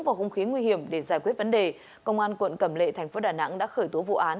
vào hung khí nguy hiểm để giải quyết vấn đề công an quận cẩm lệ thành phố đà nẵng đã khởi tố vụ án